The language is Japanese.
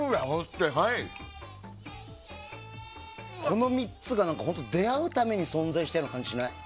この３つが出会うために存在したような感じがしない？